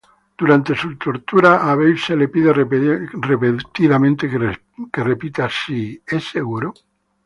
Durante su tortura, a Babe se le pide repetidamente que responda si "¿Es seguro?